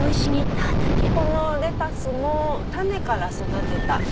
このレタスも種から育てた。